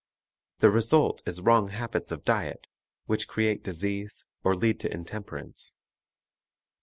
The result is wrong habits of diet, which create disease or lead to intemperance.